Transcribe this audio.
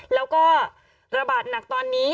แล้วก็ระบาดหนักตอนนี้